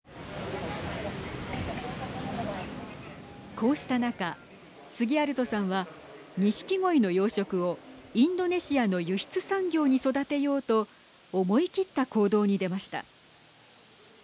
こうした中、スギアルトさんは錦鯉の養殖をインドネシアの輸出産業に育てようと思い切った行動に出ました。